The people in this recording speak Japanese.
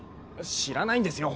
知らないんですよ